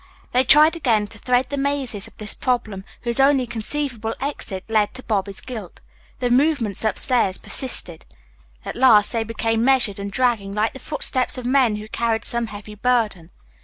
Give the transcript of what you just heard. They tried again to thread the mazes of this problem whose only conceivable exit led to Bobby's guilt. The movements upstairs persisted. At last they became measured and dragging, like the footsteps of men who carried some heavy burden.